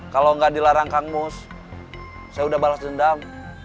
kalau nggak dilarang kang mus saya udah balas dendam